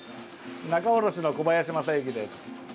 仲卸の小林雅之です。